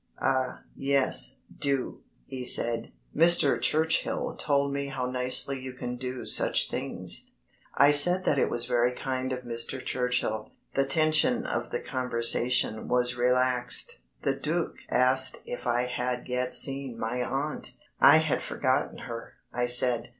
"Ah, yes, do," he said, "Mr. Churchill told me how nicely you can do such things." I said that it was very kind of Mr. Churchill. The tension of the conversation was relaxed. The Duc asked if I had yet seen my aunt. "I had forgotten her," I said.